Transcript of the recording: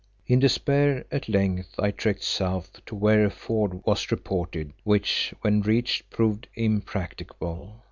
In despair at length I trekked south to where a ford was reported, which, when reached, proved impracticable.